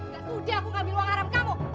gak tudih aku ambil uang haram kamu